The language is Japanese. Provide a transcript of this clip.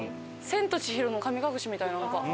『千と千尋の神隠し』みたいななんか。